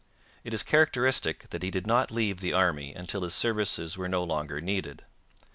It is characteristic that he did not leave the army until his services were no longer needed.